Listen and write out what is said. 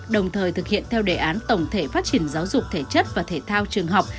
đồng thời thực hiện theo đề án tổng thể phát triển giáo dục thể chất và thể thao trường học